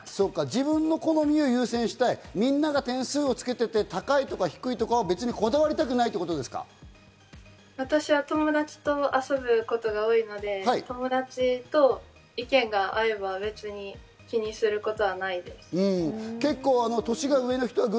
自分の好みを優先したり、みんなが点数をつけてて、高いとか低いとかは別にこだわりたくないってこ私は友達と遊ぶことが多いので、友達と意見が合えば別に気にすることはないです。